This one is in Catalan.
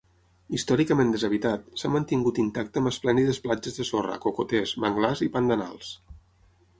Històricament deshabitat, s'ha mantingut intacte amb esplèndides platges de sorra, cocoters, manglars i pandanals.